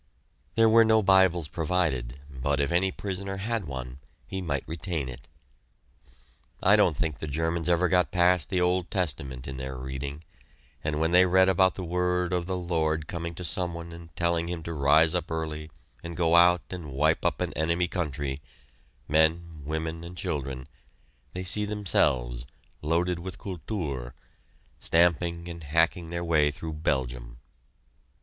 There were no Bibles provided, but if any prisoner had one, he might retain it. I don't think the Germans have ever got past the Old Testament in their reading, and when they read about the word of the Lord coming to some one and telling him to rise up early and go out and wipe out an enemy country men, women, and children they see themselves, loaded with Kultur, stamping and hacking their way through Belgium.